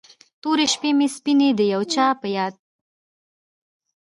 تورې شپې مې سپینې د یو چا په یاد